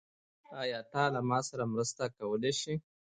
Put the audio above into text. آیا ته له ما سره مرسته کولی شې؟